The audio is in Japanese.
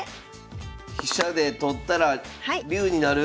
飛車で取ったら竜になる？